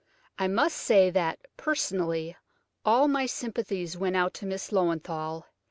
I must say that, personally, all my sympathies went out to Miss Löwenthal.